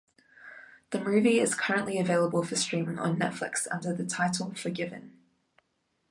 The movie is currently available for streaming on Netflix under the title, Forgiven.